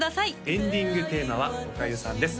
エンディングテーマはおかゆさんです